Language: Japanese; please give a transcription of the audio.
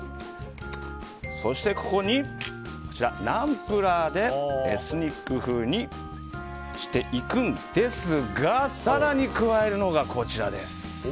そしてここに、ナンプラーでエスニック風にしていくんですが更に加えるのがこちらです。